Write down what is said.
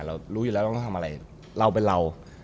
เรารู้อยู่แล้วเราต้องทำอะไรเราเป็นเรา